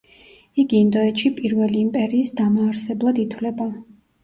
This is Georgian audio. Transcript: იგი ინდოეთში პირველი იმპერიის დამაარსებლად ითვლება.